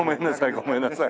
ごめんなさい。